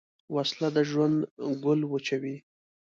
وسله د ژوند ګل وچوي